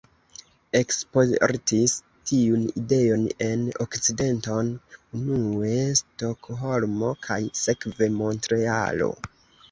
Eksportis tiun ideon en Okcidenton, unue Stokholmo, kaj sekve Montrealo.